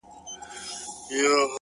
هو زه پوهېږمه خیر دی یو بل چم وکه